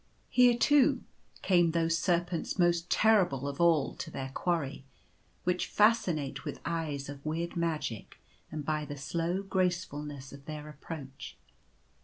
Here, too, came those serpents most terrible of all to their quarry — which fascinate with eyes of weird magic and by the slow gracefulness of their approach.